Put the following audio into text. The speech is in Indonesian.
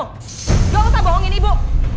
nggak usah bohongin ibu